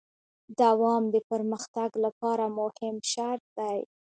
دوام د پرمختګ لپاره مهم شرط دی.